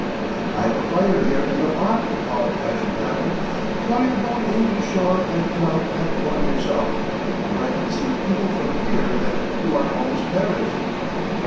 "I have a fire here in the pot," called Ashipattle. "Draw your boat in to shore and come and warm yourself, for I can see even from here that you are almost perished."